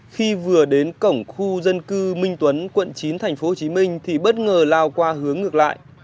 khi vừa đến cổng khu dân cư minh tuấn quận chín tp hcm thì bất ngờ lao qua hướng ngược lại